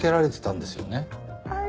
はい。